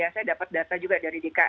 saya dapat data juga dari dki jakarta